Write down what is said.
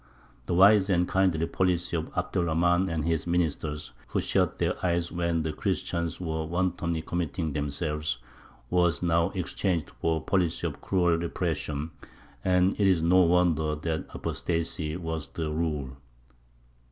The wise and kindly policy of Abd er Rahmān and his ministers, who shut their eyes when the Christians were wantonly committing themselves, was now exchanged for a policy of cruel repression, and it is no wonder that apostacy was the rule.